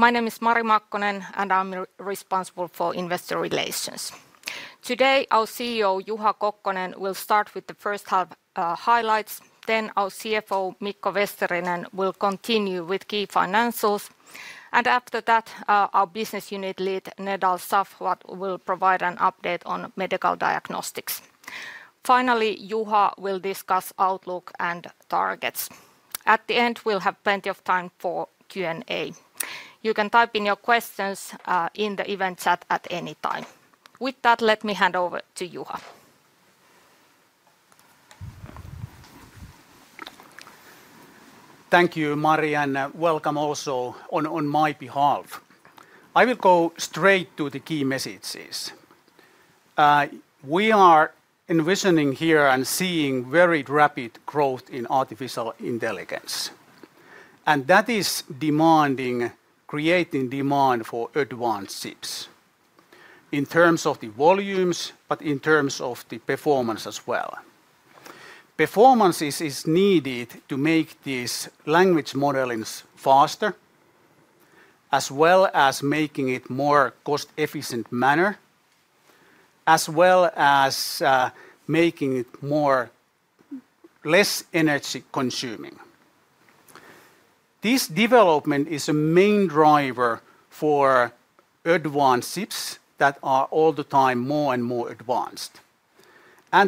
My name is Mari Makkonen, and I'm responsible for Investor Relations. Today, our CEO, Juha Kokkonen, will start with the first half highlights. Our CFO, Mikko Vesterinen, will continue with key financials. After that, our Business Unit Lead, Nedal Safwat, will provide an update on medical diagnostics. Finally, Juha will discuss outlook and targets. At the end, we'll have plenty of time for Q&A. You can type in your questions in the event chat at any time. With that, let me hand over to Juha. Thank you, Mari, and welcome also on my behalf. I will go straight to the key messages. We are envisioning here and seeing very rapid growth in artificial intelligence. That is creating demand for advanced chips in terms of the volumes, but in terms of the performance as well. Performance is needed to make these language models faster, as well as making it a more cost-efficient manner, as well as making it less energy-consuming. This development is a main driver for advanced chips that are all the time more and more advanced.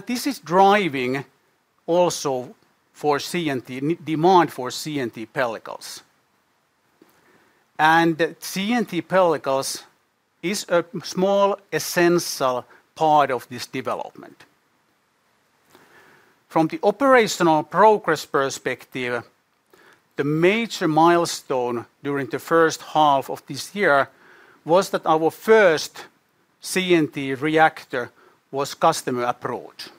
This is driving also for demand for CNT pellicles. CNT pellicles is a small essential part of this development. From the operational progress perspective, the major milestone during the first half of this year was that our first CNT reactor was customer approved.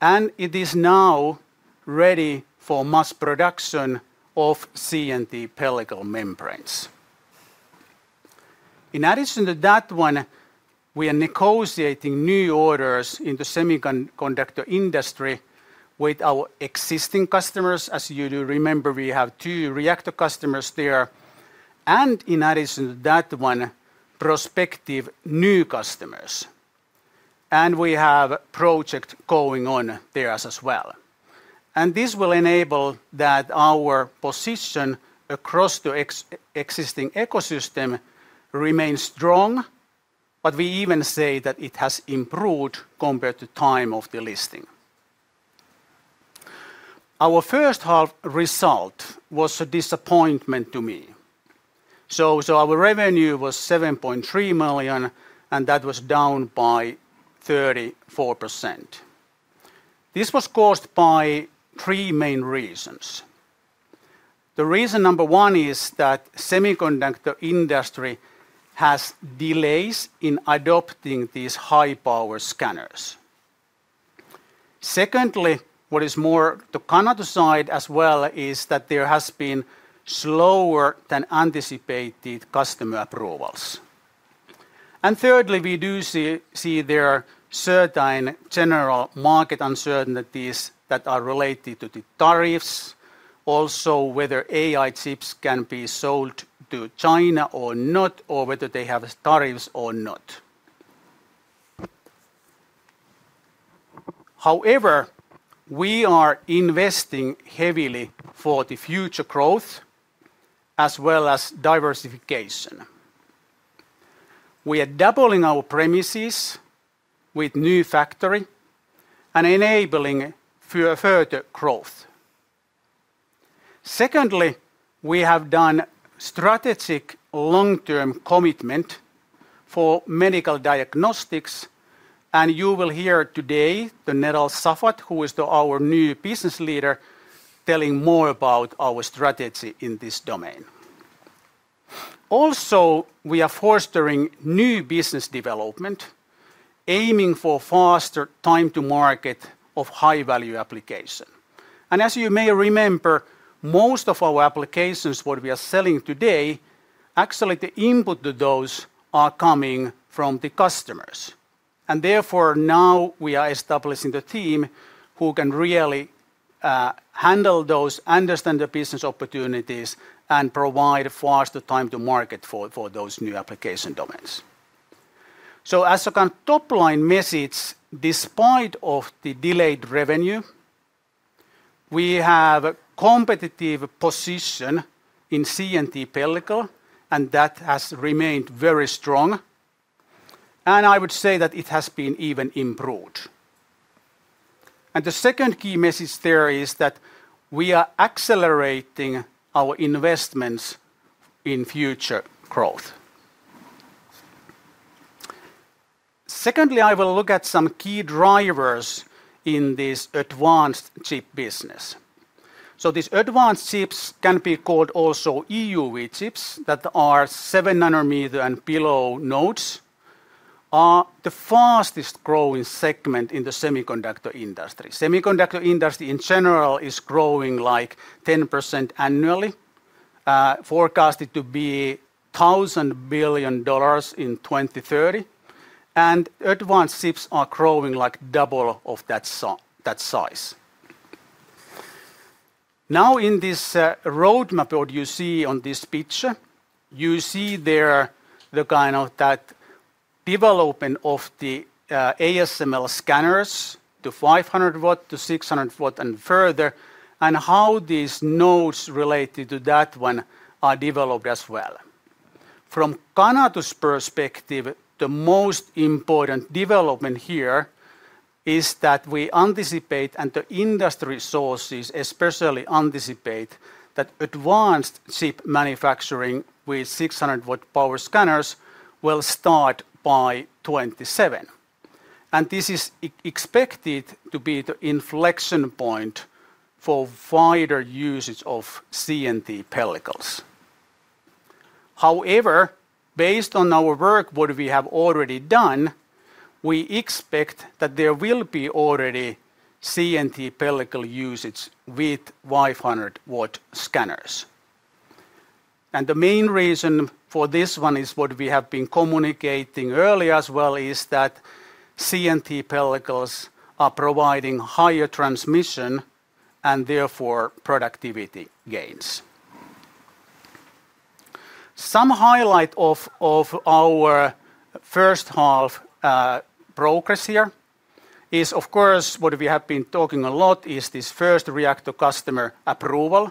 It is now ready for mass production of CNT pellicle membranes. In addition to that one, we are negotiating new orders in the semiconductor industry with our existing customers. As you do remember, we have two reactor customers there. In addition to that one, prospective new customers. We have projects going on there as well. This will enable that our position across the existing ecosystem remains strong. We even say that it has improved compared to the time of the listing. Our first half result was a disappointment to me. Our revenue was $7.3 million, and that was down by 34%. This was caused by three main reasons. The reason number one is that the semiconductor industry has delays in adopting these high-power scanners. Secondly, what is more to the Canatu side as well is that there have been slower than anticipated customer approvals. Thirdly, we do see there are certain general market uncertainties that are related to the tariffs, also whether AI chips can be sold to China or not, or whether they have tariffs or not. However, we are investing heavily for the future growth as well as diversification. We are doubling our premises with a new factory and enabling further growth. Secondly, we have done a strategic long-term commitment for medical diagnostics. You will hear today Nedal Safwat, who is our new Business Leader, telling more about our strategy in this domain. Also, we are fostering new business development, aiming for faster time-to-market of high-value application. As you may remember, most of our applications, what we are selling today, actually the input to those are coming from the customers. Therefore, now we are establishing a team who can really handle those, understand the business opportunities, and provide faster time-to-market for those new application domains. As a kind of top-line message, despite the delayed revenue, we have a competitive position in CNT pellicle, and that has remained very strong. I would say that it has been even improved. The second key message there is that we are accelerating our investments in future growth. Secondly, I will look at some key drivers in this advanced chip business. These advanced chips can be called also EUV chips that are 7 nanometer and below nodes, are the fastest growing segment in the semiconductor industry. The semiconductor industry in general is growing like 10% annually, forecasted to be $1,000 billion in 2030. Advanced chips are growing like double of that size. In this roadmap, what you see on this picture, you see there the kind of development of the ASML scanners to 500 W, to 600 W, and further, and how these nodes related to that one are developed as well. From Canatu's perspective, the most important development here is that we anticipate, and the industry sources especially anticipate, that advanced chip manufacturing with 600-W power scanners will start by 2027. This is expected to be the inflection point for wider usage of CNT pellicles. However, based on our work, what we have already done, we expect that there will be already CNT pellicle usage with 500-W scanners. The main reason for this one is what we have been communicating earlier as well, is that CNT pellicles are providing higher transmission and therefore productivity gains. Some highlight of our first half progress here is, of course, what we have been talking a lot is this first reactor customer approval,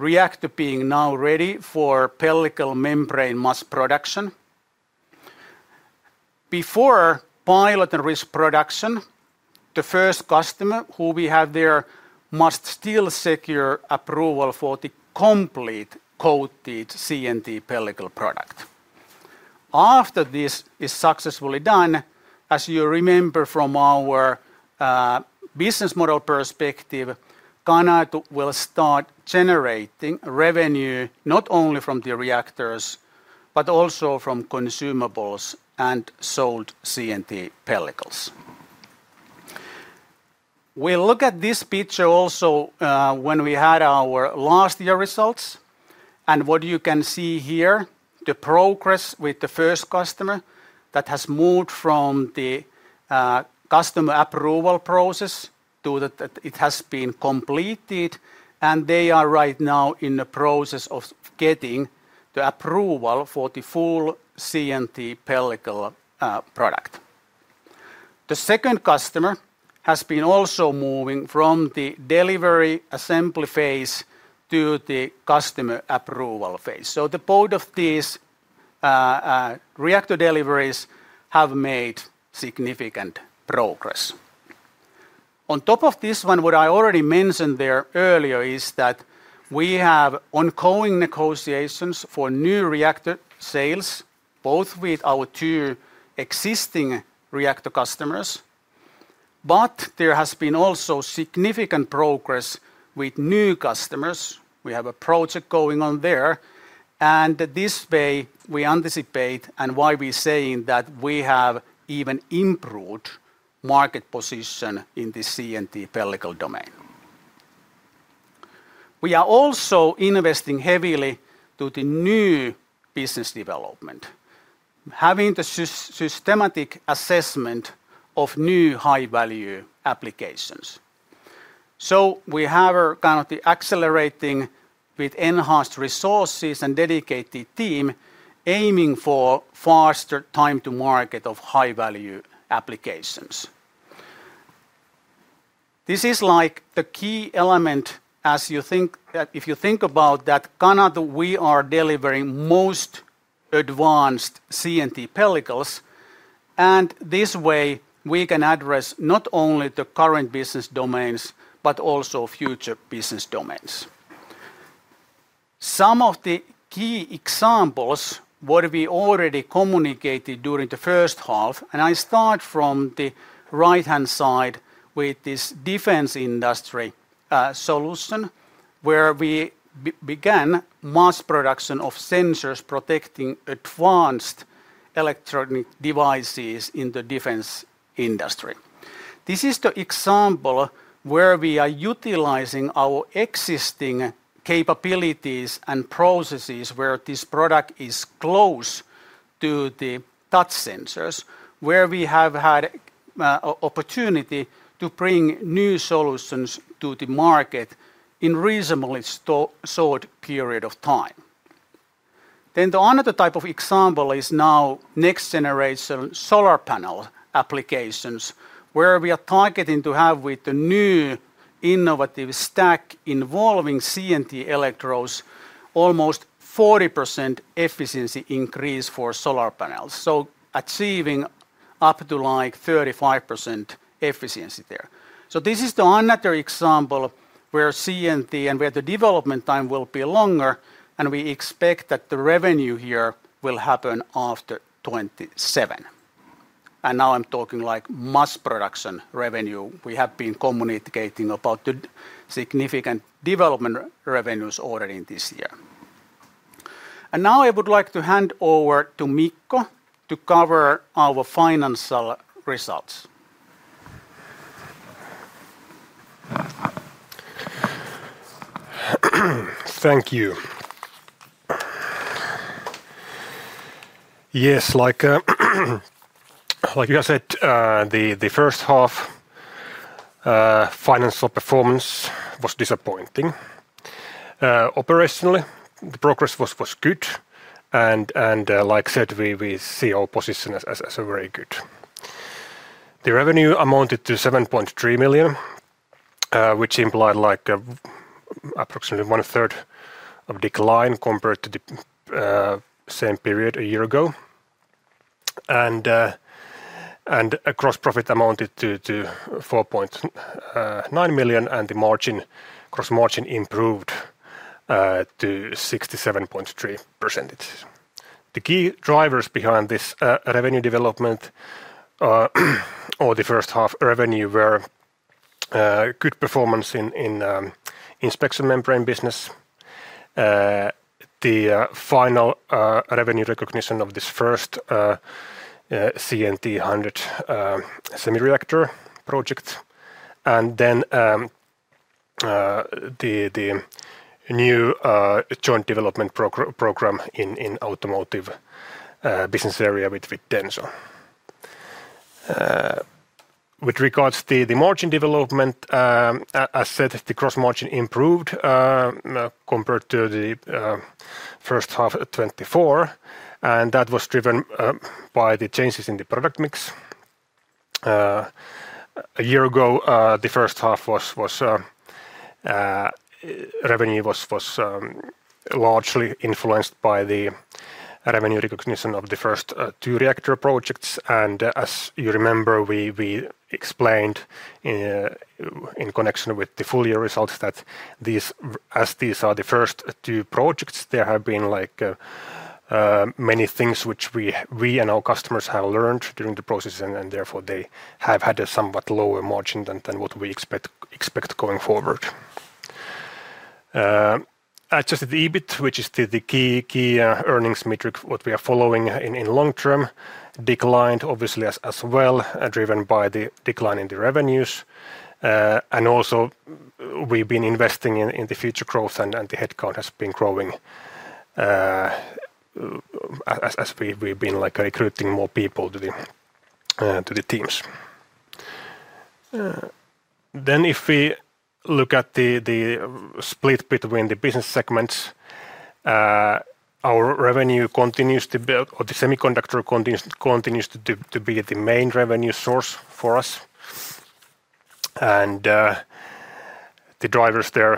reactor being now ready for pellicle membrane mass production. Before pilot and risk production, the first customer who we have there must still secure approval for the complete coated CNT pellicle product. After this is successfully done, as you remember from our business model perspective, Canatu will start generating revenue not only from the reactors, but also from consumables and sold CNT pellicles. We look at this picture also when we had our last year results. What you can see here, the progress with the first customer that has moved from the customer approval process to that it has been completed, and they are right now in the process of getting the approval for the full CNT pellicle product. The second customer has been also moving from the delivery assembly phase to the customer approval phase. Both of these reactor deliveries have made significant progress. On top of this, what I already mentioned earlier is that we have ongoing negotiations for new reactor sales, both with our two existing reactor customers. There has been also significant progress with new customers. We have a project going on there. In this way, we anticipate, and why we are saying that we have even improved market position in the CNT pellicle domain. We are also investing heavily into the new business development, having the systematic assessment of new high-value applications. We have kind of accelerating with enhanced resources and dedicated team aiming for faster time-to-market of high-value applications. This is like the key element, as you think that if you think about that, Canatu, we are delivering most advanced CNT pellicles. In this way, we can address not only the current business domains, but also future business domains. Some of the key examples of what we already communicated during the first half, and I start from the right-hand side with this defense industry solution, where we began mass production of sensors protecting advanced electronic devices in the defense industry. This is the example where we are utilizing our existing capabilities and processes where this product is close to the touch sensors, where we have had the opportunity to bring new solutions to the market in a reasonably short period of time. The other type of example is now next-generation solar panel applications, where we are targeting to have with the new innovative stack involving CNT electrodes, almost a 40% efficiency increase for solar panels. Achieving up to like 35% efficiency there. This is the other example where CNT and where the development time will be longer, and we expect that the revenue here will happen after 2027. Now I'm talking like mass production revenue. We have been communicating about the significant development revenues already in this year. Now I would like to hand over to Mikko to cover our financial results. Thank you. Yes, like you said, the first half financial performance was disappointing. Operationally, the progress was good. Like I said, we see our position as very good. The revenue amounted to $7.3 million, which implied approximately one-third of a decline compared to the same period a year ago. The gross profit amounted to $4.9 million, and the gross margin improved to 67.3%. The key drivers behind this revenue development or the first half revenue were good performance in the inspection membrane business, the final revenue recognition of this first CNT reactor project, and the new joint development program in the automotive business area with Denso. With regards to the margin development, as I said, the gross margin improved compared to the first half of 2024. That was driven by the changes in the product mix. A year ago, the first half revenue was largely influenced by the revenue recognition of the first two reactor projects. As you remember, we explained in connection with the full year results that as these are the first two projects, there have been many things which we and our customers have learned during the process, and therefore, they have had a somewhat lower margin than what we expect going forward. As just the EBIT, which is the key earnings metric, what we are following in the long term, declined obviously as well, driven by the decline in the revenues. Also, we've been investing in the future growth, and the headcount has been growing as we've been recruiting more people to the teams. If we look at the split between the business segments, our revenue continues to build, or the semiconductor continues to be the main revenue source for us. The drivers there,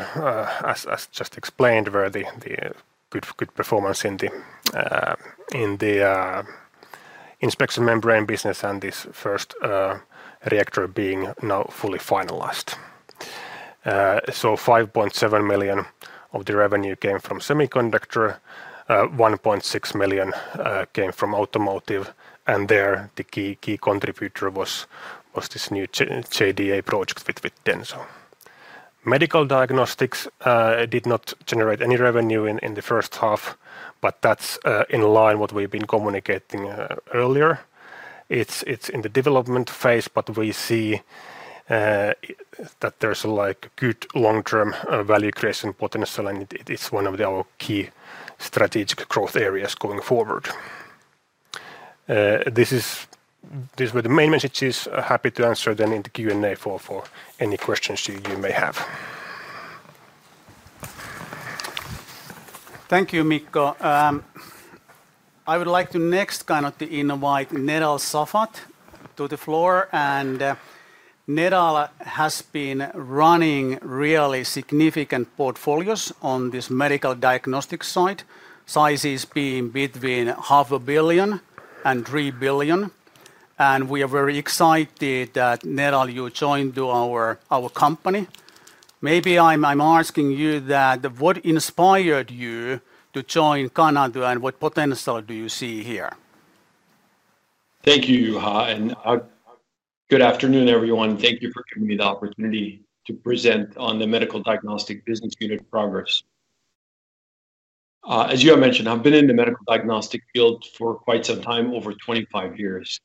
as just explained, were the good performance in the inspection membrane business and this first reactor being now fully finalized. $5.7 million of the revenue came from semiconductor, $1.6 million came from automotive, and there the key contributor was this new JDA project with Denso. Medical diagnostics did not generate any revenue in the first half, but that's in line with what we've been communicating earlier. It's in the development phase, but we see that there's a good long-term value creation potential, and it is one of our key strategic growth areas going forward. These were the main messages. I'm happy to answer them in the Q&A for any questions you may have. Thank you, Mikko. I would like to next kind of invite Nedal Safwat to the floor. Nedal has been running really significant portfolios on this medical diagnostics side, sizes being between $500 billion and $3 billion. We are very excited that, Nedal, you joined our company. Maybe I'm asking you what inspired you to join Canatu, and what potential do you see here? Thank you, Juha. Good afternoon, everyone. Thank you for giving me the opportunity to present on the medical diagnostic business unit progress. As you mentioned, I've been in the medical diagnostic field for quite some time, over 25 years,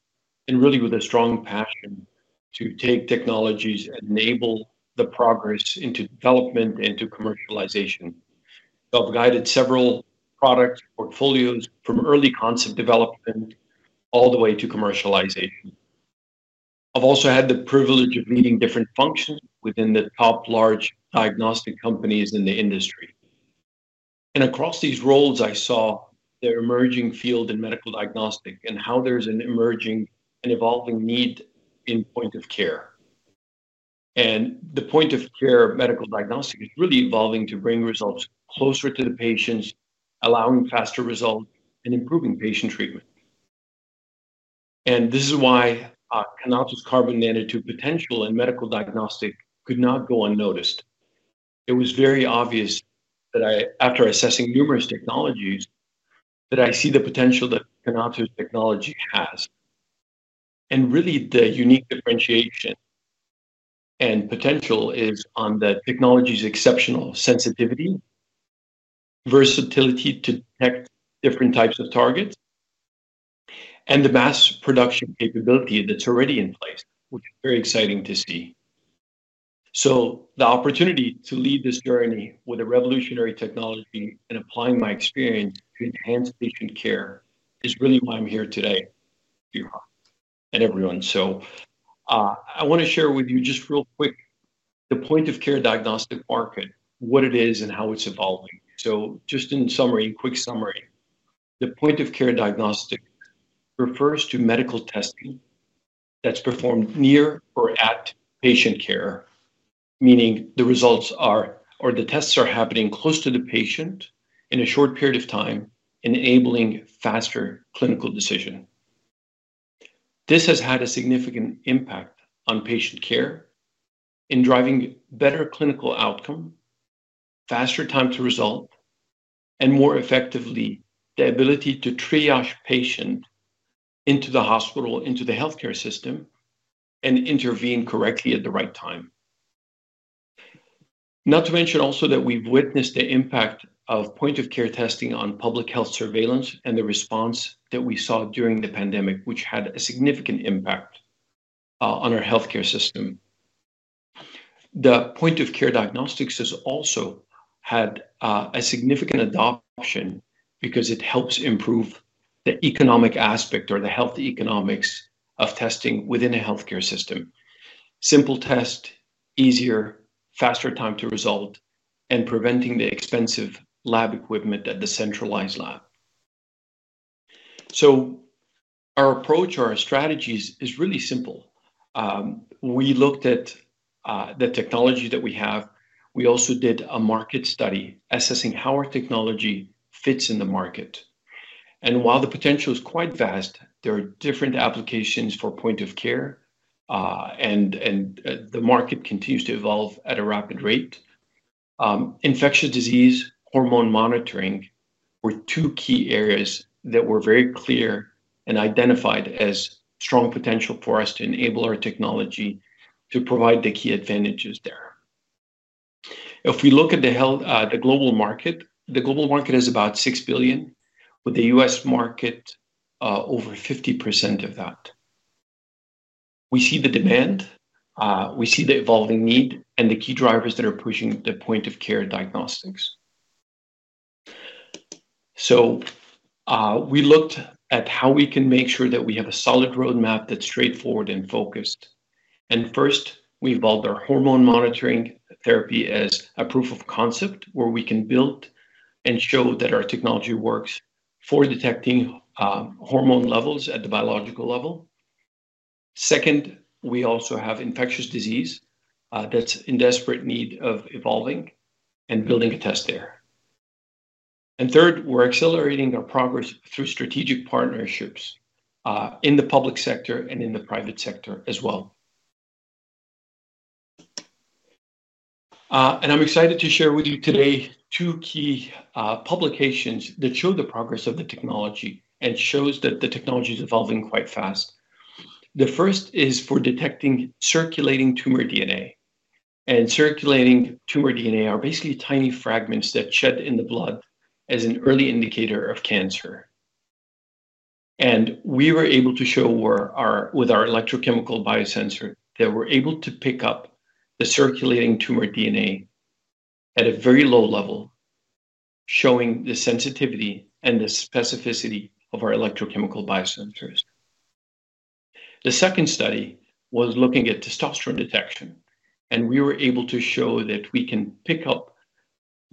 and really with a strong passion to take technologies and enable the progress into development and to commercialization. I've guided several product portfolios from early concept development all the way to commercialization. I've also had the privilege of leading different functions within the top large diagnostic companies in the industry. Across these roles, I saw the emerging field in medical diagnostics and how there's an emerging and evolving need in point-of-care. The point-of-care medical diagnostics is really evolving to bring results closer to the patients, allowing faster results, and improving patient treatment. This is why Canatu's carbon nanotube potential in medical diagnostics could not go unnoticed. It was very obvious that I, after assessing numerous technologies, see the potential that Canatu's technology has. The unique differentiation and potential is on the technology's exceptional sensitivity, versatility to detect different types of targets, and the mass production capability that's already in place, which is very exciting to see. The opportunity to lead this journey with a revolutionary technology and applying my experience to enhance patient care is really why I'm here today, Juha, and everyone. I want to share with you just real quick the point-of-care diagnostic market, what it is, and how it's evolving. In quick summary, the point-of-care diagnostic refers to medical testing that's performed near or at patient care, meaning the results are or the tests are happening close to the patient in a short period of time, enabling faster clinical decision. This has had a significant impact on patient care in driving better clinical outcome, faster time to result, and more effectively the ability to triage patients into the hospital, into the health care system, and intervene correctly at the right time. Not to mention also that we've witnessed the impact of point-of-care testing on public health surveillance and the response that we saw during the pandemic, which had a significant impact on our health care system. Point-of-care diagnostics has also had significant adoption because it helps improve the economic aspect or the health economics of testing within a healthcare system. Simple test, easier, faster time to result, and preventing the expensive lab equipment at the centralized lab. Our approach, our strategies are really simple. We looked at the technology that we have. We also did a market study assessing how our technology fits in the market. While the potential is quite vast, there are different applications for point-of-care, and the market continues to evolve at a rapid rate. Infectious disease, hormone monitoring were two key areas that were very clear and identified as strong potential for us to enable our technology to provide the key advantages there. If we look at the global market, the global market is about $6 billion, with the U.S. market over 50% of that. We see the demand. We see the evolving need and the key drivers that are pushing point-of-care diagnostics. We looked at how we can make sure that we have a solid roadmap that's straightforward and focused. First, we evolved our hormone monitoring therapy as a proof-of-concept where we can build and show that our technology works for detecting hormone levels at the biological level. Second, we also have infectious disease that's in desperate need of evolving and building a test there. Third, we're accelerating our progress through strategic partnerships in the public sector and in the private sector as well. I'm excited to share with you today two key publications that show the progress of the technology and show that the technology is evolving quite fast. The first is for detecting circulating tumor DNA. Circulating tumor DNA are basically tiny fragments that shed in the blood as an early indicator of cancer. We were able to show with our electrochemical biosensor that we're able to pick up the circulating tumor DNA at a very low level, showing the sensitivity and the specificity of our electrochemical biosensors. The second study was looking at testosterone detection. We were able to show that we can pick up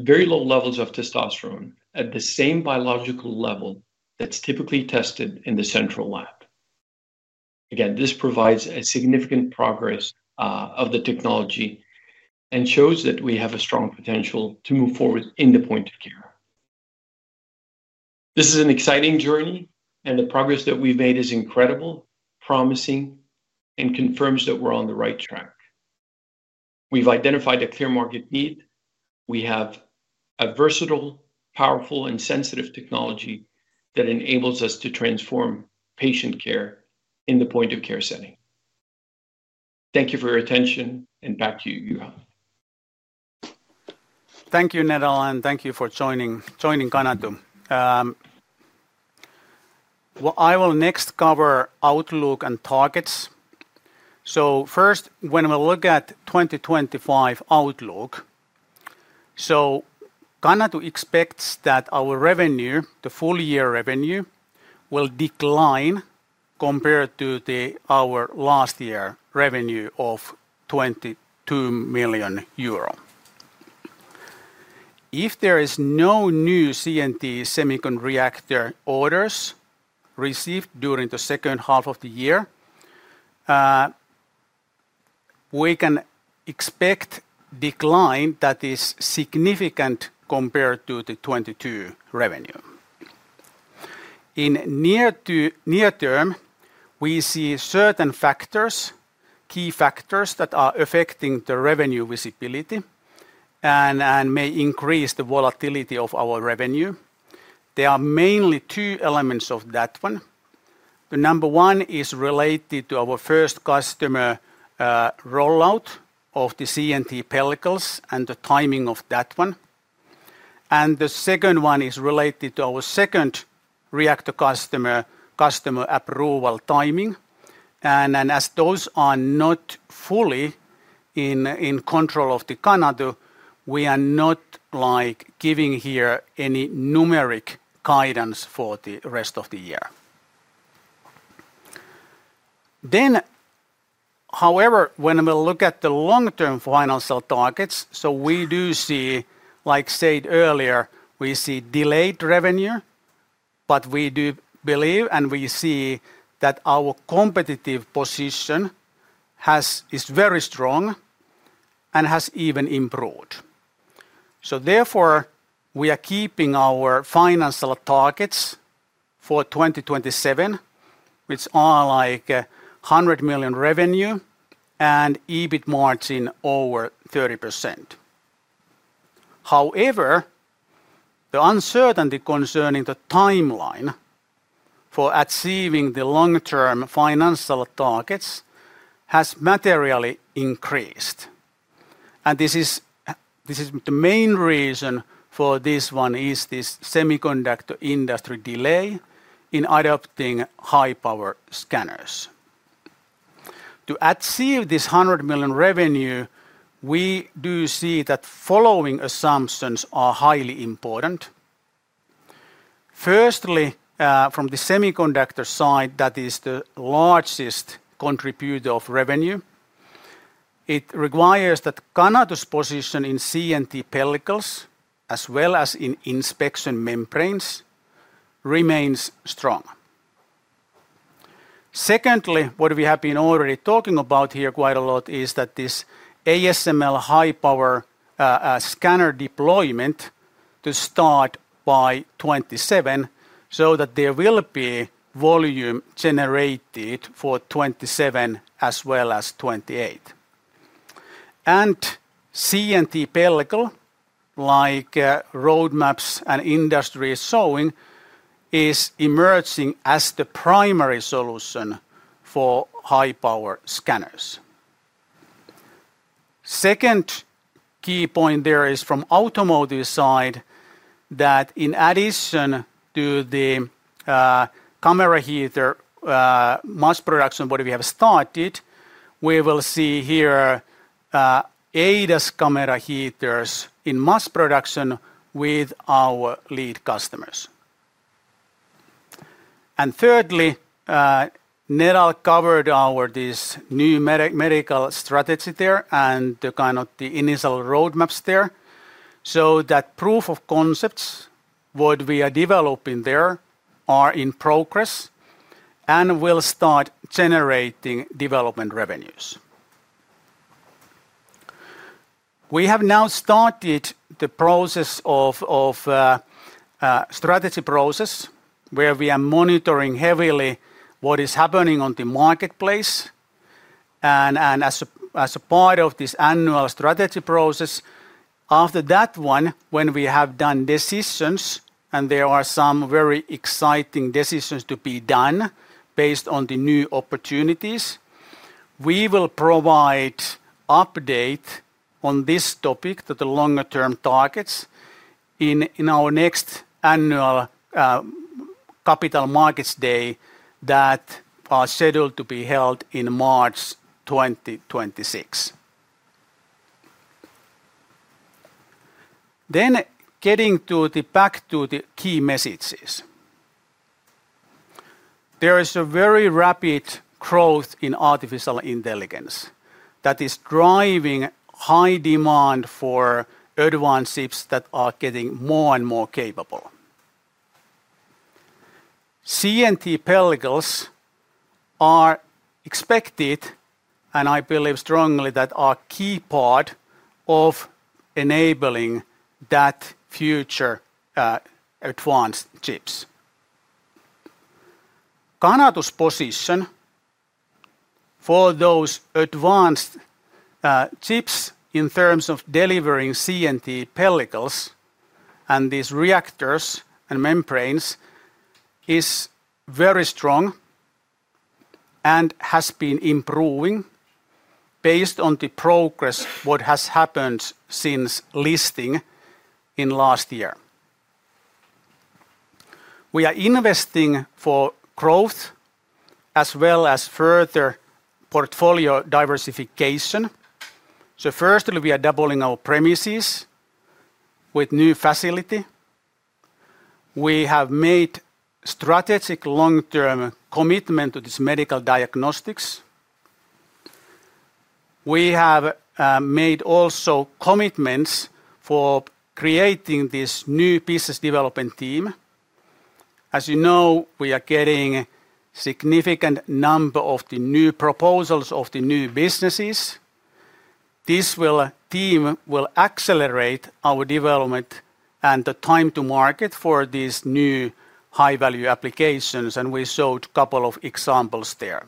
very low levels of testosterone at the same biological level that's typically tested in the central lab. Again, this provides significant progress of the technology and shows that we have a strong potential to move forward in point-of-care. This is an exciting journey, and the progress that we've made is incredible, promising, and confirms that we're on the right track. We've identified a clear market need. We have a versatile, powerful, and sensitive technology that enables us to transform patient care in the point-of-care setting. Thank you for your attention, and back to you, Juha. Thank you, Nedal, and thank you for joining Canatu. I will next cover outlook and targets. First, when we look at 2025 outlook, Canatu expects that our revenue, the full year revenue, will decline compared to our last year revenue of 22 million euro. If there are no new CNT semiconductor reactor orders received during the second half of the year, we can expect a decline that is significant compared to the 2022 revenue. In the near term, we see certain factors, key factors that are affecting the revenue visibility and may increase the volatility of our revenue. There are mainly two elements of that one. The number one is related to our first customer rollout of the CNT pellicles and the timing of that one. The second one is related to our second reactor customer approval timing. As those are not fully in control of Canatu, we are not giving here any numeric guidance for the rest of the year. However, when we look at the long-term financial targets, we do see, like I said earlier, we see delayed revenue, but we do believe and we see that our competitive position is very strong and has even improved. Therefore, we are keeping our financial targets for 2027, which are 100 million revenue and EBIT margin over 30%. However, the uncertainty concerning the timeline for achieving the long-term financial targets has materially increased. The main reason for this one is this semiconductor industry delay in adopting high-power scanners. To achieve this 100 million revenue, we do see that following assumptions are highly important. Firstly, from the semiconductor side, that is the largest contributor of revenue, it requires that Canatu's position in CNT pellicles as well as in inspection membranes remains strong. Secondly, what we have been already talking about here quite a lot is that this ASML high-power scanner deployment to start by 2027 so that there will be volume generated for 2027 as well as 2028. CNT pellicle, like roadmaps and industry is showing, is emerging as the primary solution for high-power scanners. Second key point there is from the automotive side that in addition to the camera heater mass production what we have started, we will see here ADAS camera heaters in mass production with our lead customers. Thirdly, Nedal covered our new medical strategy there and the kind of the initial roadmaps there. That proof of concepts, what we are developing there, are in progress and will start generating development revenues. We have now started the process of the strategy process where we are monitoring heavily what is happening on the marketplace. As a part of this annual strategy process, after that one, when we have done decisions, and there are some very exciting decisions to be done based on the new opportunities, we will provide an update on this topic, the longer-term targets, in our next annual Capital Markets Day that is scheduled to be held in March 2026. Getting back to the key messages, there is a very rapid growth in artificial intelligence that is driving high demand for advanced chips that are getting more and more capable. CNT pellicles are expected, and I believe strongly, that are a key part of enabling that future advanced chips. Canatu's position for those advanced chips in terms of delivering CNT pellicles and these reactors and membranes is very strong and has been improving based on the progress of what has happened since listing in last year. We are investing for growth as well as further portfolio diversification. Firstly, we are doubling our premises with new facilities. We have made a strategic long-term commitment to this medical diagnostics. We have made also commitments for creating this new business development team. As you know, we are getting a significant number of the new proposals of the new businesses. This team will accelerate our development and the time-to-market for these new high-value applications. We showed a couple of examples there.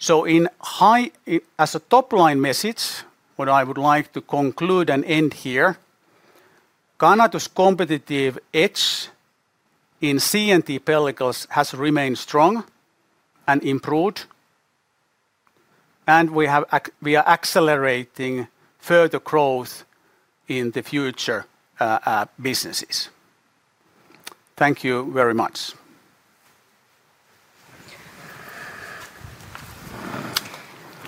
As a top-line message, what I would like to conclude and end here, Canatu's competitive edge in CNT pellicles has remained strong and improved. We are accelerating further growth in the future businesses. Thank you very much.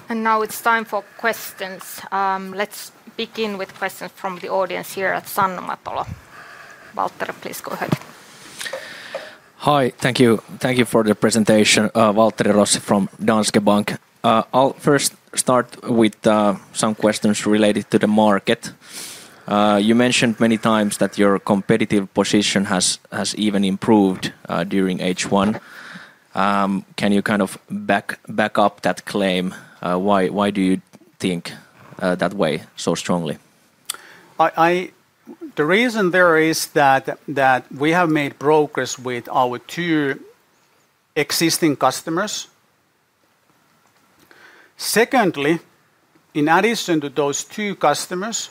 It is now time for questions. Let's begin with questions from the audience here at Sanna Matalo. Waltteri, please go ahead. Hi, thank you. Thank you for the presentation. Waltteri Rossi from Danske Bank. I'll first start with some questions related to the market. You mentioned many times that your competitive position has even improved during H1. Can you kind of back up that claim? Why do you think that way so strongly? The reason there is that we have made progress with our two existing customers. Secondly, in addition to those two customers,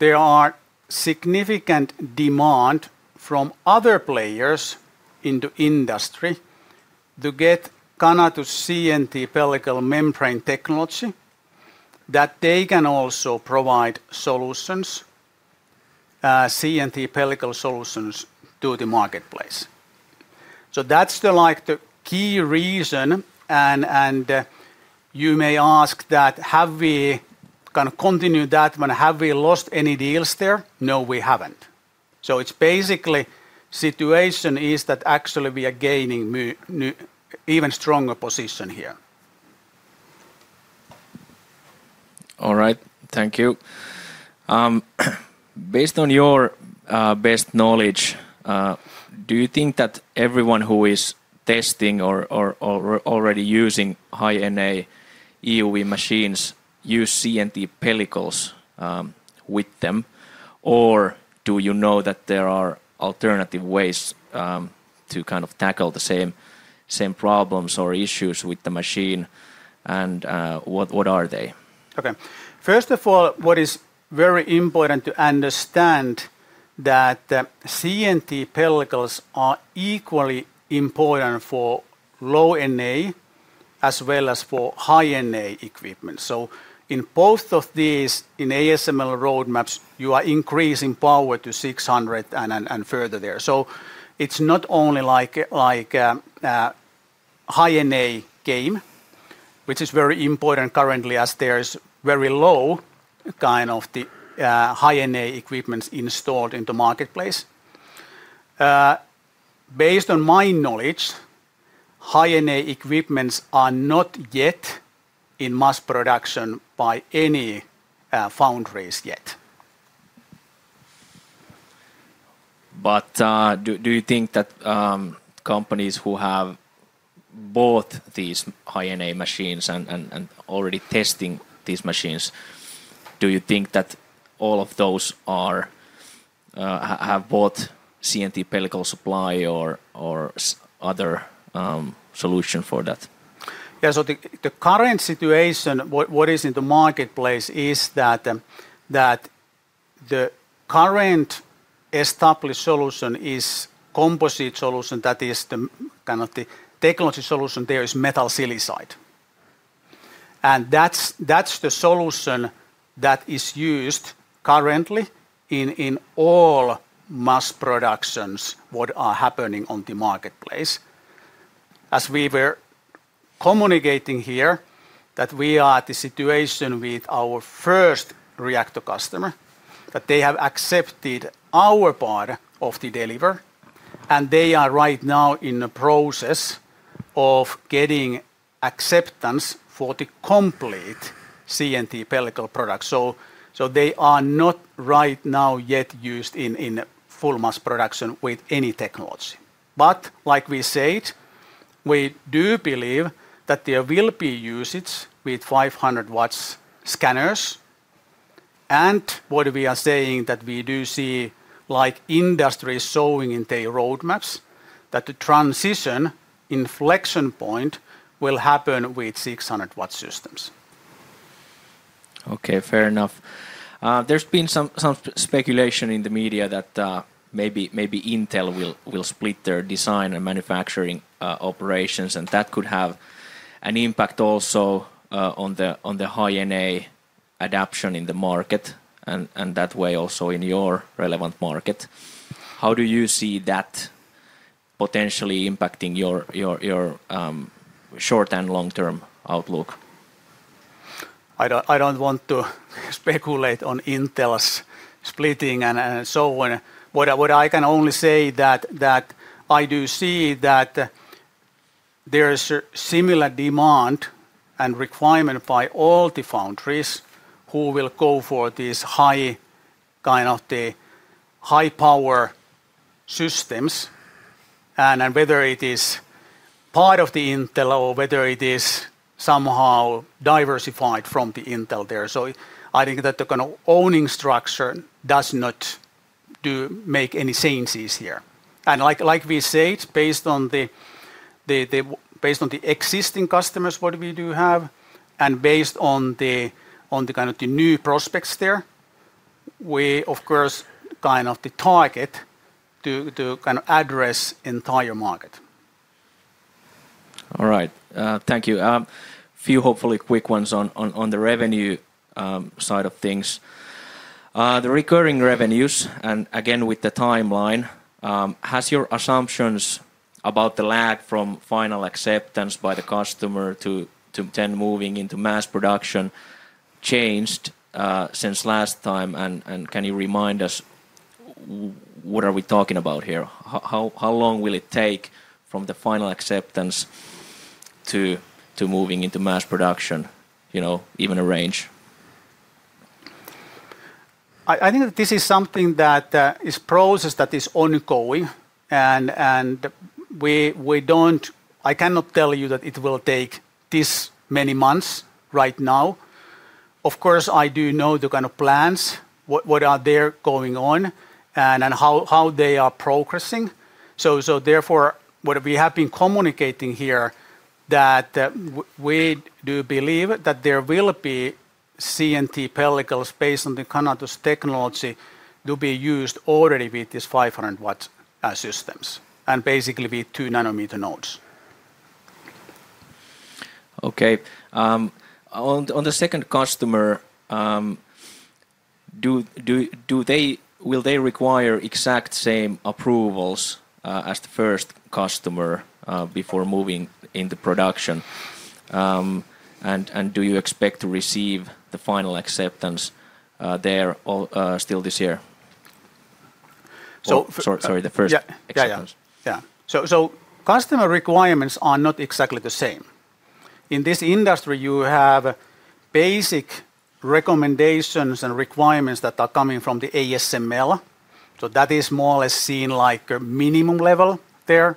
there is significant demand from other players in the industry to get Canatu's CNT pellicle membrane technology that they can also provide solutions, CNT pellicle solutions to the marketplace. That's the key reason. You may ask that have we kind of continued that one, have we lost any deals there? No, we haven't. It's basically the situation is that actually we are gaining an even stronger position here. All right, thank you. Based on your best knowledge, do you think that everyone who is testing or already using high-NA EUV machines uses CNT pellicles with them? Or do you know that there are alternative ways to kind of tackle the same problems or issues with the machine? What are they? Okay. First of all, what is very important to understand is that CNT pellicles are equally important for low NA as well as for high-NA equipment. In both of these, in ASML roadmaps, you are increasing power to 600 and further there. It's not only like a high-NA game, which is very important currently as there's very low kind of the high-NA equipment installed in the marketplace. Based on my knowledge, high-NA equipment are not yet in mass production by any foundries yet. Do you think that companies who have bought these high-NA machines and already testing these machines, do you think that all of those have bought CNT pellicle supply or other solutions for that? Yeah, so the current situation, what is in the marketplace is that the current established solution is a composite solution that is the kind of the technology solution. There is metal silicide, and that's the solution that is used currently in all mass productions that are happening on the marketplace. As we were communicating here, we are at the situation with our first reactor customer that they have accepted our part of the deliver, and they are right now in the process of getting acceptance for the complete CNT pellicle product. They are not right now yet used in full mass production with any technology. Like we said, we do believe that there will be usage with 500 W scanners. What we are saying is that we do see industry showing in their roadmaps that the transition inflection point will happen with 600 W systems. Okay, fair enough. There's been some speculation in the media that maybe Intel will split their design and manufacturing operations, and that could have an impact also on the high-NA adoption in the market, and that way also in your relevant market. How do you see that potentially impacting your short and long-term outlook? I don't want to speculate on Intel's splitting and so on. What I can only say is that I do see that there is a similar demand and requirement by all the foundries who will go for these high-power systems, and whether it is part of Intel or whether it is somehow diversified from Intel there. I think that the kind of owning structure does not make any changes here. Like we said, based on the existing customers we do have and based on the kind of the new prospects there, we, of course, target to address the entire market. All right, thank you. A few hopefully quick ones on the revenue side of things. The recurring revenues, and again with the timeline, has your assumptions about the lag from final acceptance by the customer to then moving into mass production changed since last time? Can you remind us what are we talking about here? How long will it take from the final acceptance to moving into mass production, you know, even a range? I think that this is something that is a process that is ongoing. We don't, I cannot tell you that it will take this many months right now. Of course, I do know the kind of plans, what are there going on, and how they are progressing. Therefore, what we have been communicating here is that we do believe that there will be CNT pellicles based on Canatu's technology to be used already with these 500 W systems and basically with two nanometer nodes. Okay. On the second customer, will they require the exact same approvals as the first customer before moving into production? Do you expect to receive the final acceptance there still this year? Sorry, the first acceptance. Yeah, yeah. Customer requirements are not exactly the same. In this industry, you have basic recommendations and requirements that are coming from ASML. That is more or less seen like a minimum level there.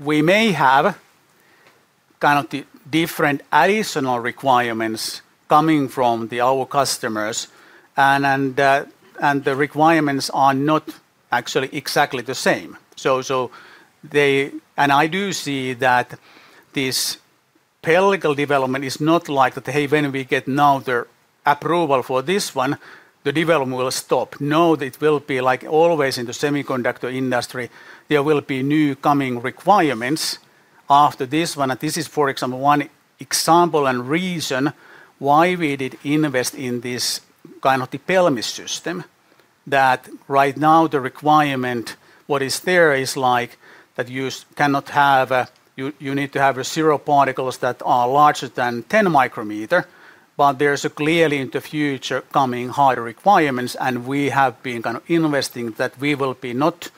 We may have different additional requirements coming from our customers, and the requirements are not actually exactly the same. I do see that this pellicle development is not like that, hey, when we get now the approval for this one, the development will stop. No, it will be like always in the semiconductor industry. There will be new coming requirements after this one. This is, for example, one example and reason why we did invest in this kind of the Pelmis system, that right now the requirement what is there is like that you cannot have, you need to have zero particles that are larger than 10 micrometers. There's clearly in the future coming higher requirements, and we have been kind of investing that we will be not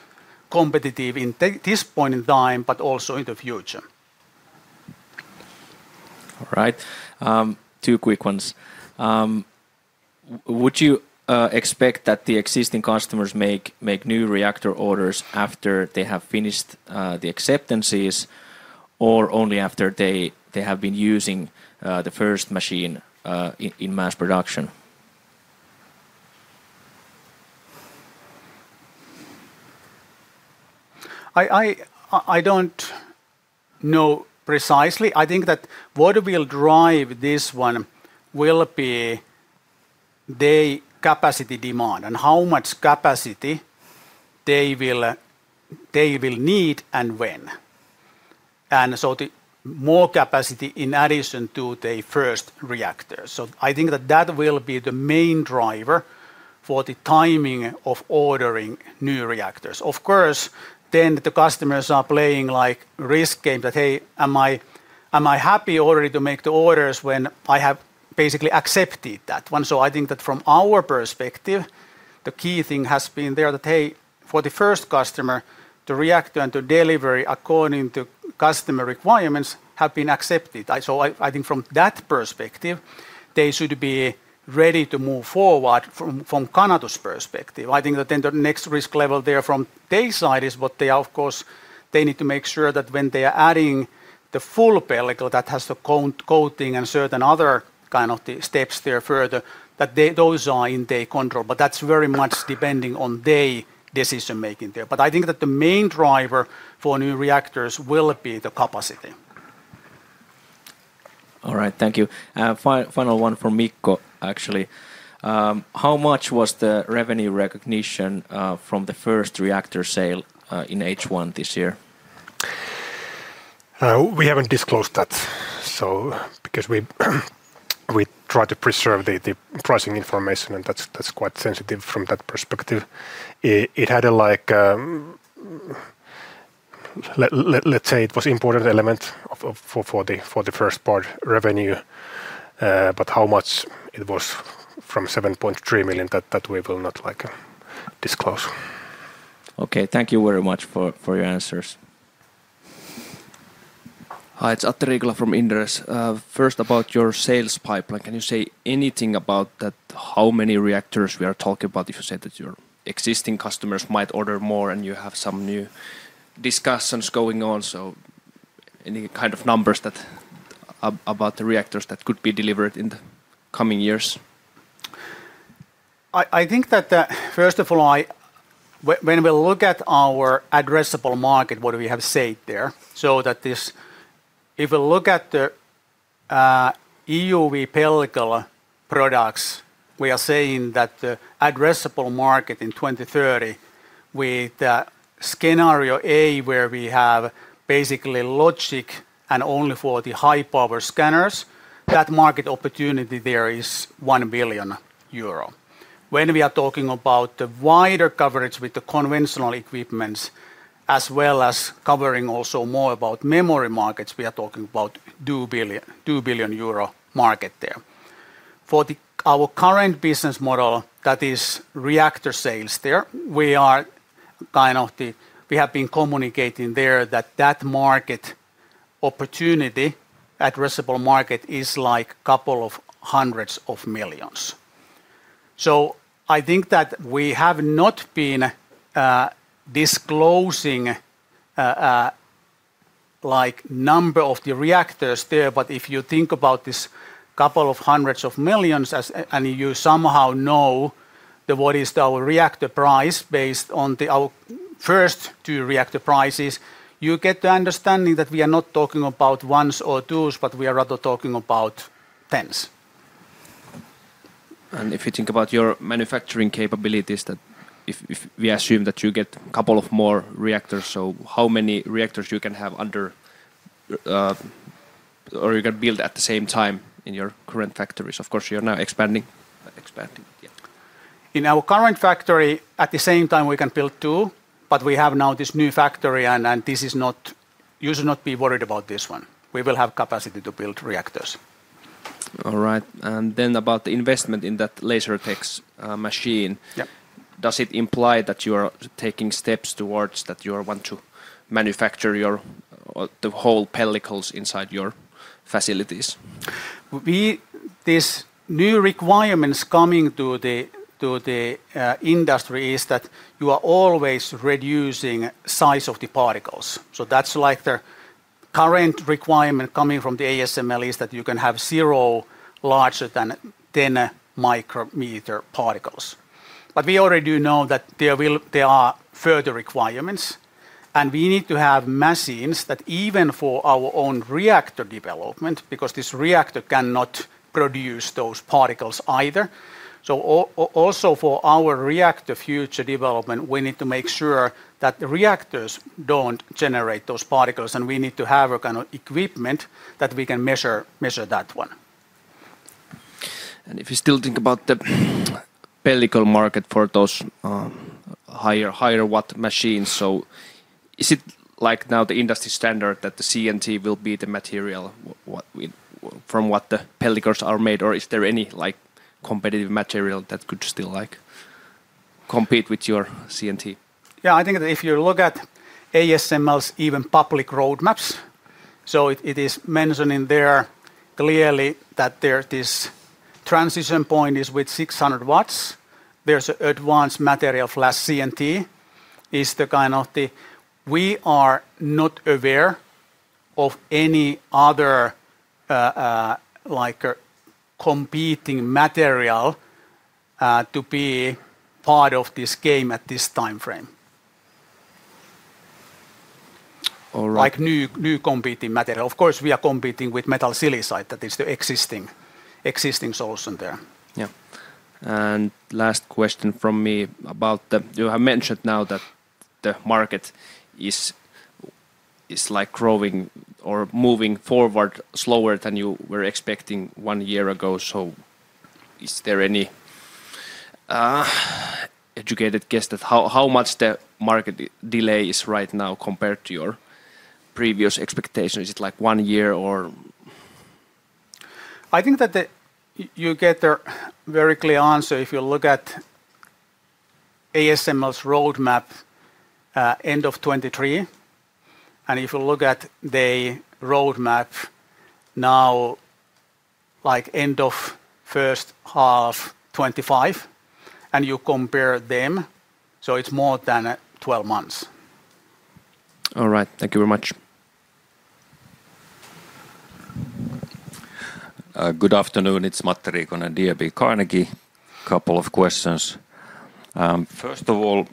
competitive at this point in time, but also in the future. All right. Two quick ones. Would you expect that the existing customers make new reactor orders after they have finished the acceptances, or only after they have been using the first machine in mass production? I don't know precisely. I think that what will drive this one will be the capacity demand and how much capacity they will need and when. The more capacity in addition to the first reactor, I think that that will be the main driver for the timing of ordering new reactors. Of course, the customers are playing like risk games that, hey, am I happy already to make the orders when I have basically accepted that one? I think that from our perspective, the key thing has been there that, hey, for the first customer, the reactor and the delivery according to customer requirements have been accepted. I think from that perspective, they should be ready to move forward from Canatu's perspective. I think that the next risk level there from their side is what they, of course, they need to make sure that when they are adding the full pellicle that has the coating and certain other kind of steps there further, that those are in their control. That's very much depending on their decision-making there. I think that the main driver for new reactors will be the capacity. All right, thank you. Final one from Mikko, actually. How much was the revenue recognition from the first reactor sale in H1 this year? We haven't disclosed that because we try to preserve the pricing information, and that's quite sensitive from that perspective. It was an important element for the first part revenue, but how much it was from $7.3 million, that we will not disclose. Okay, thank you very much for your answers. Hi, it's Atte Riikola from Inderes. First, about your sales pipeline, can you say anything about how many reactors we are talking about? You said that your existing customers might order more and you have some new discussions going on, any kind of numbers about the reactors that could be delivered in the coming years? I think that first of all, when we look at our addressable market, what we have said there, if we look at the EUV pellicle products, we are saying that the addressable market in 2030 with the Scenario A, where we have basically logic and only for the high-power scanners, that market opportunity there is 1 billion euro. When we are talking about the wider coverage with the conventional equipment, as well as covering also more about memory markets, we are talking about the 2 billion market there. For our current business model, that is reactor sales there, we have been communicating there that that market opportunity, addressable market, is like a couple of hundreds of millions. I think that we have not been disclosing the number of the reactors there, but if you think about this couple of hundreds of millions, and you somehow know what is our reactor price based on our first two reactor prices, you get the understanding that we are not talking about ones or twos, but we are rather talking about tens. If you think about your manufacturing capabilities, if we assume that you get a couple of more reactors, how many reactors can you have under, or can you build at the same time in your current factories? Of course, you're now expanding. In our current factory, at the same time, we can build two. We have now this new factory, and this is not, you should not be worried about this one. We will have capacity to build reactors. All right. About the investment in that laser tech machine, does it imply that you are taking steps towards that you want to manufacture the whole pellicles inside your facilities? These new requirements coming to the industry is that you are always reducing the size of the particles. That's like the current requirement coming from ASML is that you can have zero larger than 10 micrometer particles. We already know that there are further requirements, and we need to have machines that even for our own reactor development, because this reactor cannot produce those particles either. Also for our reactor future development, we need to make sure that the reactors don't generate those particles, and we need to have a kind of equipment that we can measure that one. If you still think about the pellicle market for those higher-watt machines, is it now the industry standard that the CNT will be the material from which the pellicles are made, or is there any competitive material that could still compete with your CNT? Yeah, I think that if you look at ASML's even public roadmaps, it is mentioned in there clearly that this transition point is with 600 W. There's an advanced material for CNT, we are not aware of any other competing material to be part of this game at this time frame. All right. Like new competing material. Of course, we are competing with metal silicide, that is the existing solution there. Yeah. Last question from me about the, you have mentioned now that the market is growing or moving forward slower than you were expecting one year ago. Is there any educated guess that how much the market delay is right now compared to your previous expectations? Is it like one year or? I think that you get a very clear answer if you look at ASML's roadmap end of 2023. If you look at the roadmap now, like end of first half 2025, and you compare them, it's more than 12 months. All right, thank you very much. Good afternoon. It's Mari Makkonen at DNB Carnegie. A couple of questions. First of all,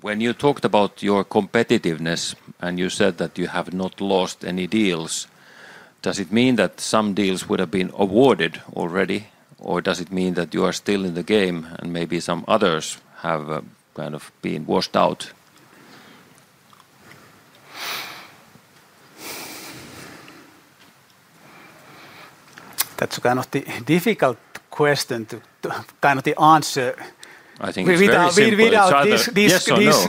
when you talked about your competitiveness and you said that you have not lost any deals, does it mean that some deals would have been awarded already, or does it mean that you are still in the game and maybe some others have kind of been washed out? That's a kind of difficult question to answer without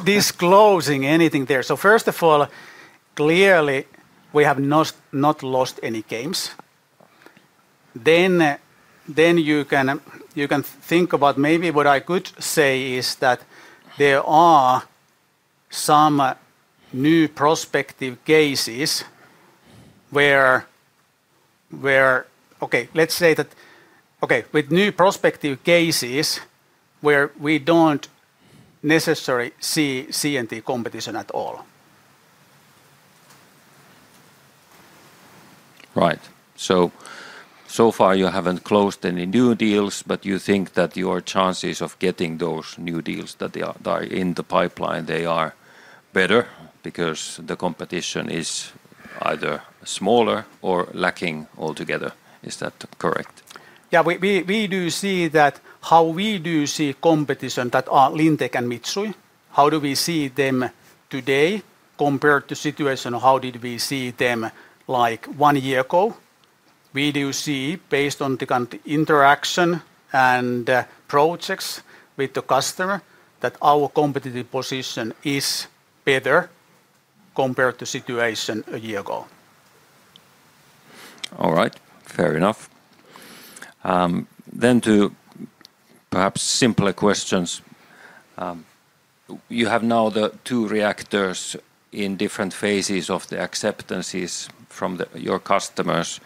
disclosing anything there. First of all, clearly, we have not lost any games. You can think about maybe what I could say is that there are some new prospective cases where, with new prospective cases, we don't necessarily see CNT competition at all. Right. So far, you haven't closed any new deals, but you think that your chances of getting those new deals that are in the pipeline are better because the competition is either smaller or lacking altogether. Is that correct? Yeah, we do see competition that are Lintec and Mitsui. How do we see them today compared to the situation? How did we see them like one year ago? We do see, based on the kind of interaction and projects with the customer, that our competitive position is better compared to the situation a year ago. All right, fair enough. To perhaps simpler questions, you have now the two reactors in different phases of the acceptances from your customers.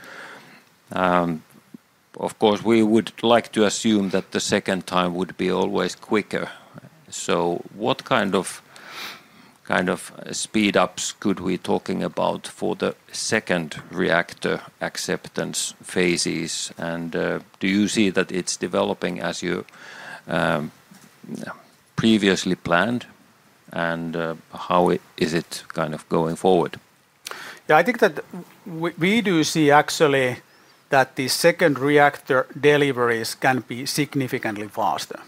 Of course, we would like to assume that the second time would be always quicker. What kind of speed-ups could we be talking about for the second reactor acceptance phases? Do you see that it's developing as you previously planned? How is it kind of going forward? Yeah, I think that we do see actually that the second reactor deliveries can be significantly faster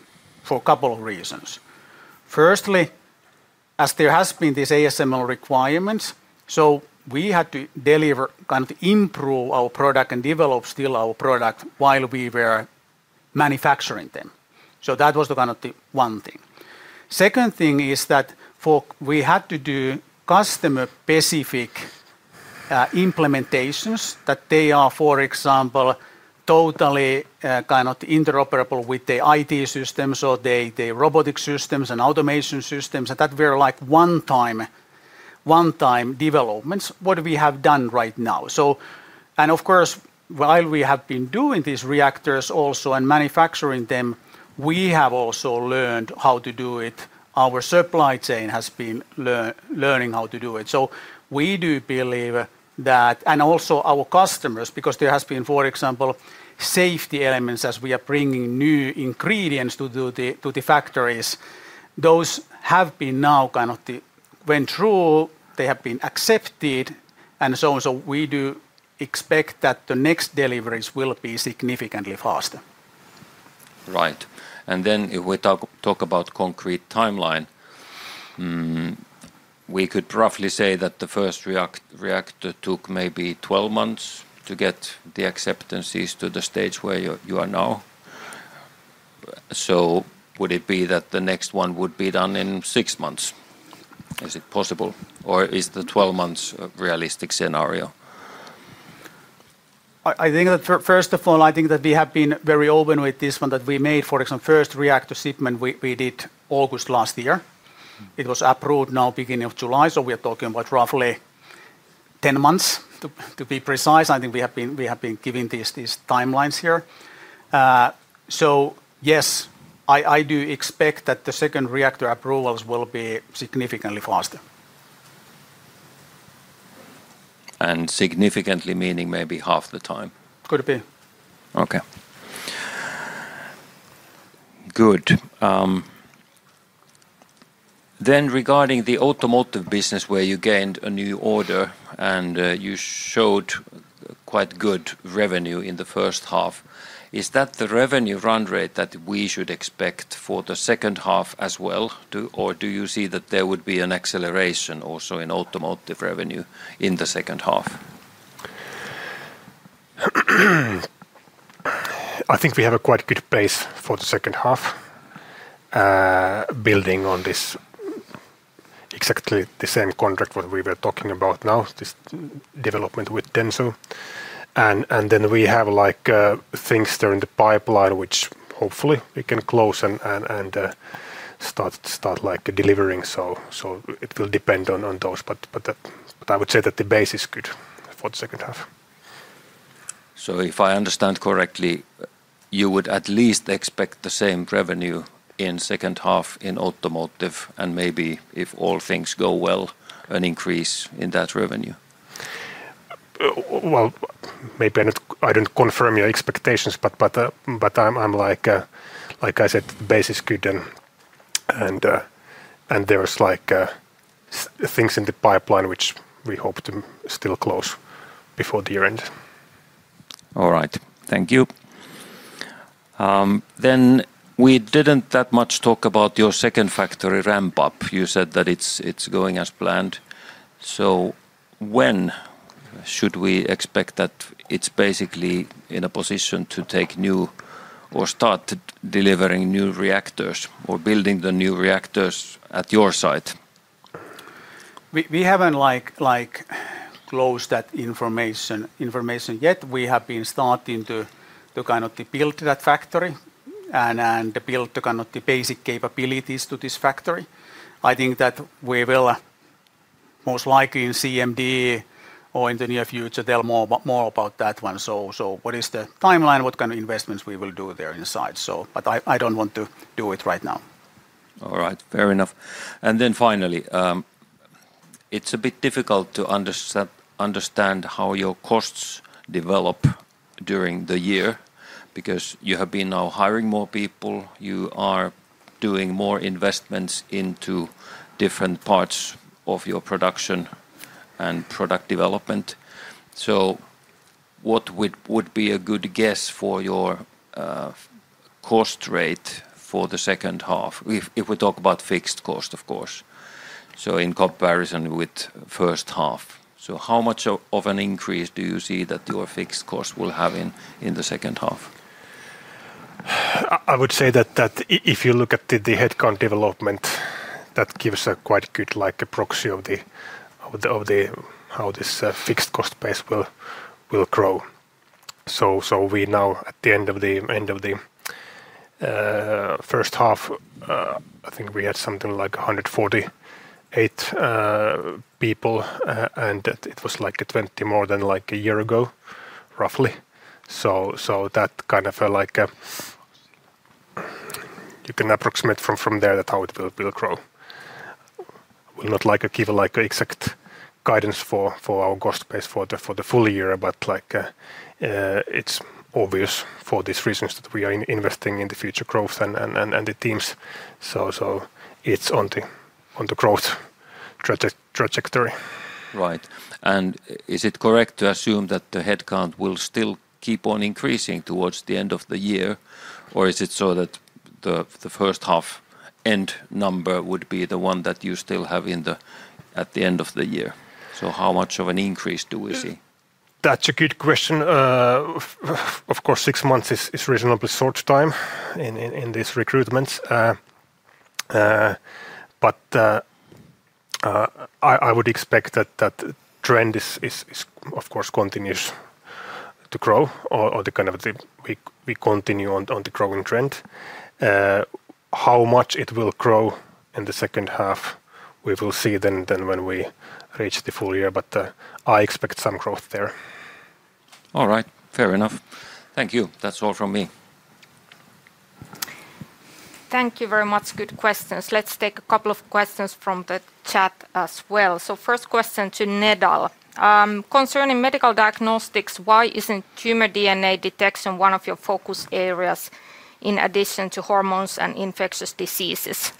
for a couple of reasons. Firstly, as there have been these ASML requirements, we had to deliver, kind of improve our product and develop still our product while we were manufacturing them. That was kind of the one thing. The second thing is that we had to do customer-specific implementations so that they are, for example, totally kind of interoperable with the IT systems, or the robotic systems and automation systems, and those were like one-time developments, what we have done right now. Of course, while we have been doing these reactors also and manufacturing them, we have also learned how to do it. Our supply chain has been learning how to do it. We do believe that, and also our customers, because there have been, for example, safety elements as we are bringing new ingredients to the factories, those have now kind of went through, they have been accepted, and so on. We do expect that the next deliveries will be significantly faster. Right. If we talk about a concrete timeline, we could roughly say that the first reactor took maybe 12 months to get the acceptances to the stage where you are now. Would it be that the next one would be done in six months? Is it possible, or is the 12 months a realistic scenario? First of all, I think that we have been very open with this one that we made, for example, the first reactor shipment we did in August last year. It was approved now beginning of July. We are talking about roughly 10 months to be precise. I think we have been given these timelines here. Yes, I do expect that the second reactor approvals will be significantly faster. Significantly meaning maybe half the time. Could be. Okay. Good. Regarding the automotive business where you gained a new order and you showed quite good revenue in the first half, is that the revenue run rate that we should expect for the second half as well, or do you see that there would be an acceleration also in automotive revenue in the second half? I think we have a quite good base for the second half, building on this exactly the same contract that we were talking about now, this development with Denso. We have things during the pipeline, which hopefully we can close and start delivering. It will depend on those, but I would say that the base is good for the second half. If I understand correctly, you would at least expect the same revenue in the second half in automotive, and maybe if all things go well, an increase in that revenue. Like I said, the base is good, and there are things in the pipeline which we hope to still close before the year ends. All right. Thank you. We didn't that much talk about your second factory ramp-up. You said that it's going as planned. When should we expect that it's basically in a position to take new or start delivering new reactors or building the new reactors at your site? We haven't closed that information yet. We have been starting to build that factory and build the basic capabilities to this factory. I think that we will most likely in CMD or in the near future tell more about that one. What is the timeline? What kind of investments we will do there inside? I don't want to do it right now. All right. Fair enough. Finally, it's a bit difficult to understand how your costs develop during the year because you have been now hiring more people. You are doing more investments into different parts of your production and product development. What would be a good guess for your cost rate for the second half if we talk about fixed cost, of course, in comparison with the first half? How much of an increase do you see that your fixed cost will have in the second half? I would say that if you look at the headcount development, that gives a quite good proxy of how this fixed cost base will grow. We now at the end of the first half, I think we had something like 148 people, and it was like 20 more than like a year ago, roughly. That kind of felt like you can approximate from there how it will grow. Not like I give exact guidance for our cost base for the full year, but it's obvious for these reasons that we are investing in the future growth and the teams. It's on the growth trajectory. Is it correct to assume that the headcount will still keep on increasing towards the end of the year, or is it so that the first half end number would be the one that you still have at the end of the year? How much of an increase do we see? That's a good question. Of course, six months is a reasonably short time in this recruitment. I would expect that the trend, of course, continues to grow, or that we continue on the growing trend. How much it will grow in the second half, we will see when we reach the full year, but I expect some growth there. All right. Fair enough. Thank you. That's all from me. Thank you very much. Good questions. Let's take a couple of questions from the chat as well. First question to Nedal. Concerning medical diagnostics, why isn't tumor DNA detection one of your focus areas in addition to hormones and infectious diseases?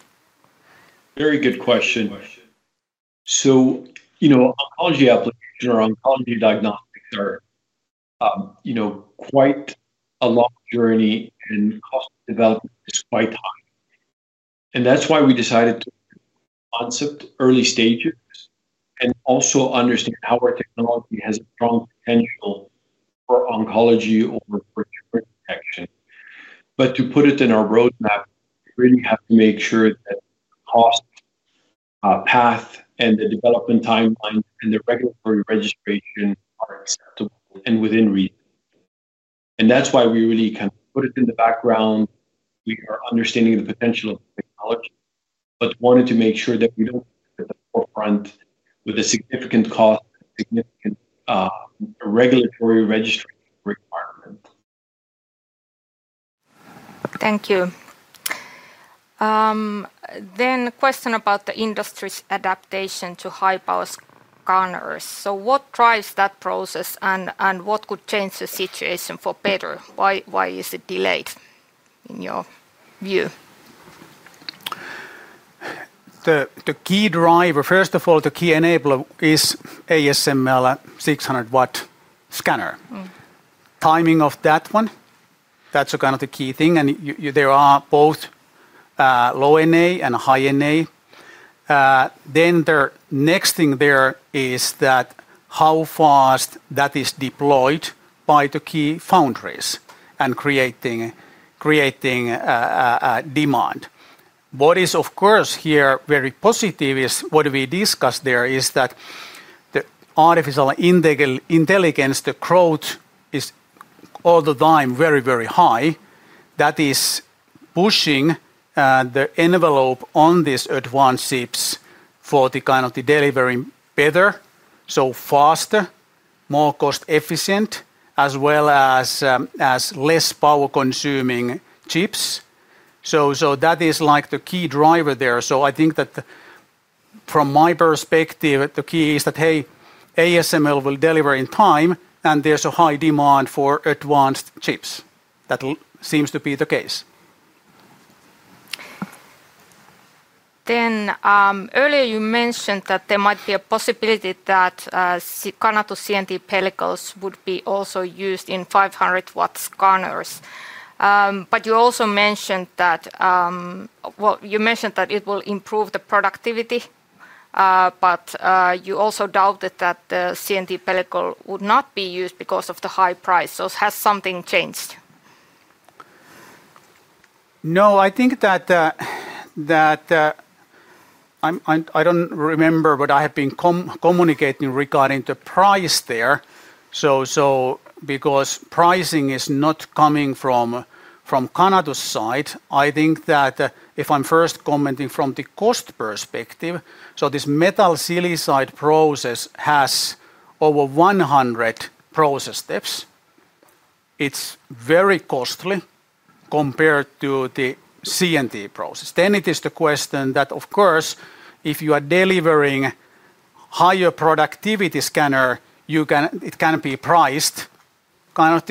Very good question. Oncology applications or oncology diagnostics are quite a long journey, and cost development is quite high. That's why we decided to concept early stages and also understand how our technology has a strong potential for oncology for tumor detection. To put it in our roadmap, we really have to make sure that the cost path and the development timeline and the regulatory registration are acceptable and within reason. That's why we really kind of put it in the background. We are understanding the potential of the technology, but wanted to make sure that we don't put it at the forefront with a significant cost, significant regulatory registration requirement. Thank you. A question about the industry's adaptation to high-power scanners. What drives that process, and what could change the situation for better? Why is it delayed in your view? The key driver, first of all, the key enabler is ASML 600-Wt scanner. Timing of that one, that's a kind of the key thing. There are both low NA and high-NA. The next thing there is that how fast that is deployed by the key foundries and creating demand. What is, of course, here very positive is what we discussed there is that the artificial intelligence, the growth is all the time very, very high. That is pushing the envelope on these advanced chips for the kind of the delivery better, so faster, more cost-efficient, as well as less power-consuming chips. That is like the key driver there. I think that from my perspective, the key is that, hey, ASML will deliver in time, and there's a high demand for advanced chips. That seems to be the case. Earlier, you mentioned that there might be a possibility that Canatu CNT pellicles would also be used in 500-W scanners. You also mentioned that it will improve the productivity, but you also doubted that the CNT pellicle would not be used because of the high price. Has something changed? No, I think that I don't remember, but I have been communicating regarding the price there. Because pricing is not coming from Canatu's side, I think that if I'm first commenting from the cost perspective, this metal silicide process has over 100 process steps. It's very costly compared to the CNT process. It is the question that, of course, if you are delivering a higher productivity scanner, it can be priced kind of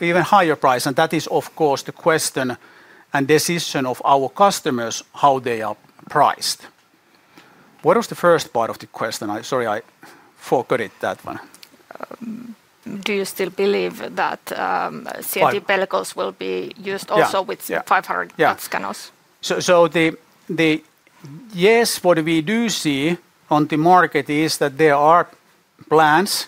even higher price. That is, of course, the question and decision of our customers how they are priced. What was the first part of the question? Sorry, I forgot it, that one. Do you still believe that CNT pellicles will be used also with 500-W scanners? Yes, what we do see on the market is that there are plans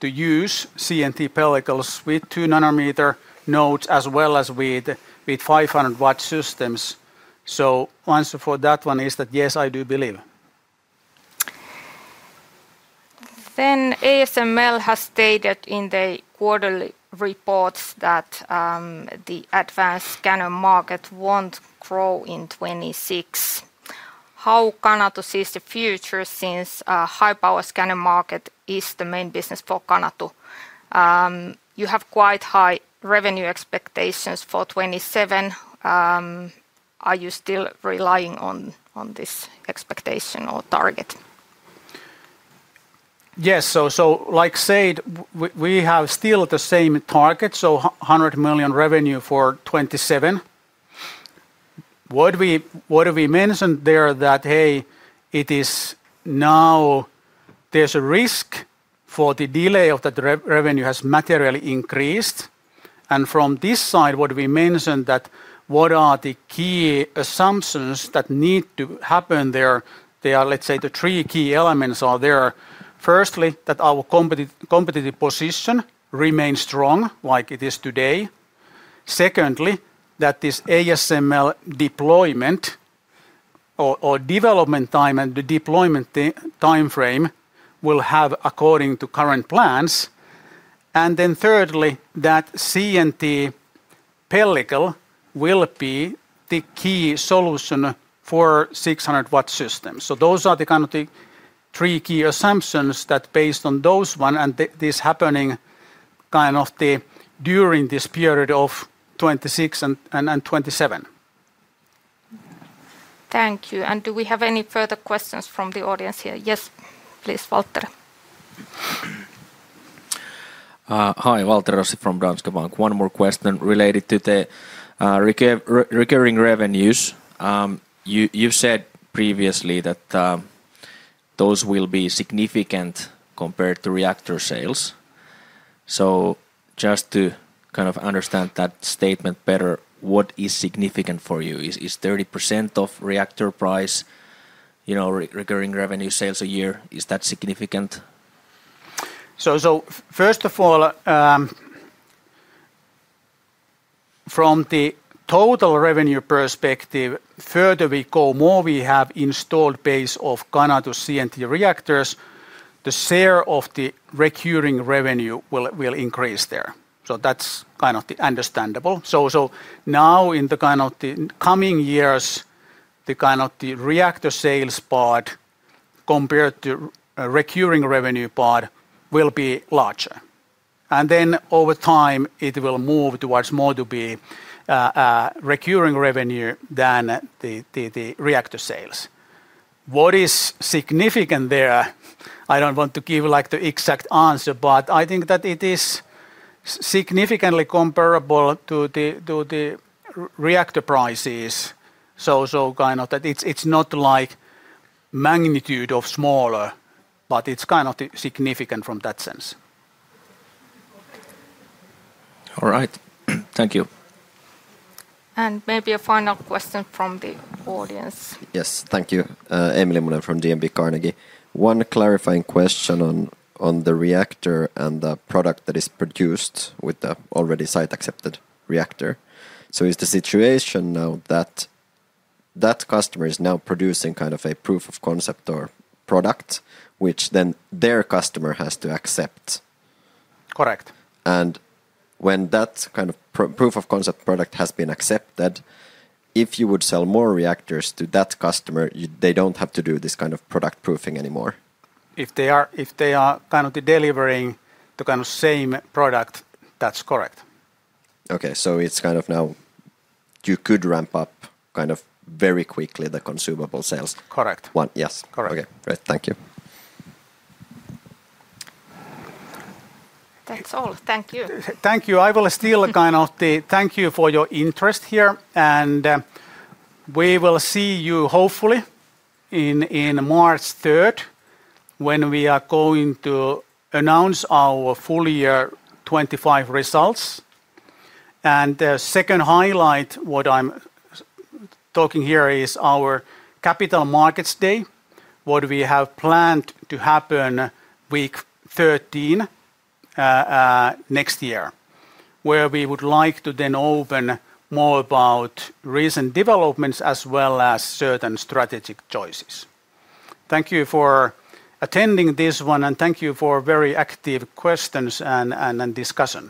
to use CNT pellicles with 2 nm nodes as well as with 500-W systems. The answer for that one is that, yes, I do believe. ASML has stated in the quarterly reports that the advanced scanner market won't grow in 2026. How Canatu sees the future since a high-power scanner market is the main business for Canatu? You have quite high revenue expectations for 2027. Are you still relying on this expectation or target? Yes, so like I said, we have still the same target, so $100 million revenue for 2027. What we mentioned there is that, hey, it is now there's a risk for the delay of that revenue has materially increased. From this side, what we mentioned is that what are the key assumptions that need to happen there? They are, let's say, the three key elements are there. Firstly, that our competitive position remains strong like it is today. Secondly, that this ASML deployment or development time and the deployment timeframe will happen according to current plans. Thirdly, that CNT pellicle will be the key solution for 600-W systems. Those are the kind of the three key assumptions that based on those ones and this happening kind of during this period of 2026 and 2027. Thank you. Do we have any further questions from the audience here? Yes, please, Waltteri. Hi, Walter Rossi from Danske Bank. One more question related to the recurring revenues. You said previously that those will be significant compared to reactor sales. Just to kind of understand that statement better, what is significant for you? Is 30% of reactor price, you know, recurring revenue sales a year, is that significant? First of all, from the total revenue perspective, the further we go, the more we have installed base of Canatu CNT reactors, the share of the recurring revenue will increase there. That's kind of understandable. Now in the coming years, the reactor sales part compared to recurring revenue part will be larger. Over time, it will move towards more to be recurring revenue than the reactor sales. What is significant there? I don't want to give you like the exact answer, but I think that it is significantly comparable to the reactor prices. It's not like magnitude of smaller, but it's kind of significant from that sense. All right. Thank you. Maybe a final question from the audience. Yes, thank you. Emily Mullen from DMB Carnegie. One clarifying question on the reactor and the product that is produced with the already site-accepted reactor. Is the situation now that that customer is now producing kind of a proof-of-concept or product, which then their customer has to accept? Correct. When that kind of proof-of-concept product has been accepted, if you would sell more reactors to that customer, they don't have to do this kind of product proofing anymore? If they are kind of delivering the kind of same product, that's correct. Okay, so it's kind of now you could ramp up kind of very quickly the consumable sales. Correct. One, yes. Correct. Okay, great. Thank you. That's all. Thank you. Thank you. I will still kind of thank you for your interest here. We will see you hopefully on March 3rd when we are going to announce our full year 2025 results. The second highlight, what I'm talking here is our Capital Markets Day, which we have planned to happen week 13 next year, where we would like to then open more about recent developments as well as certain strategic choices. Thank you for attending this one, and thank you for very active questions and discussion.